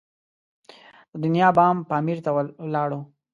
د دنیا بام پامیر ته ولاړو.